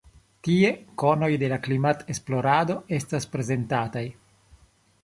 Tie konoj de la klimat-esplorado estas prezentataj.